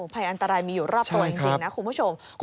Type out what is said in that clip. ภัยอันตรายมีอยู่รอบตัวจริงนะคุณผู้ชม